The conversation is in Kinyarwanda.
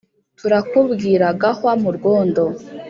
Turakubwira gahwa mu rwondo: